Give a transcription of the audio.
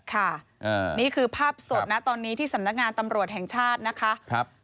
ค่ะนี่คือภาพสดนะตอนนี้ที่สำนักงานตำรวจแห่งชาตินะคะ